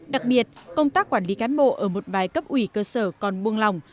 đặc biệt công tác quản lý cán bộ ở một bài cấp ủy cơ sở còn buông lòng